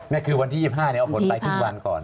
นี่คือวันที่๒๕เอาผลไปครึ่งวันก่อน